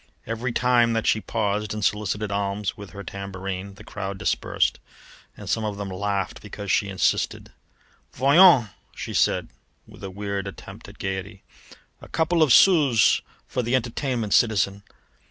Every time that she paused and solicited alms with her tambourine the crowd dispersed, and some of them laughed because she insisted. "Voyons," she said with a weird attempt at gaiety, "a couple of sous for the entertainment, citizen!